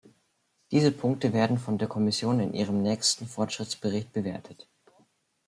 Diese Punkte werden von der Kommission in ihrem nächsten Fortschrittsbericht bewertet.